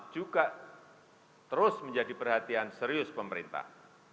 juga terus menjadi perhatian serius pemerintah